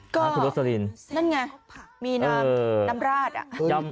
ก็นั่นไงมีน้ำราดอ่ะ